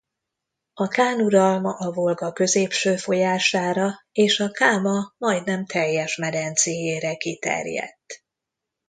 A kán uralma a Volga középső folyására és a Káma majdnem teljes medencéjére kiterjedt.